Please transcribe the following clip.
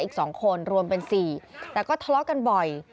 อีก๒คนรวมเป็น๔แต่ก็ทะเลาะกันบ่อย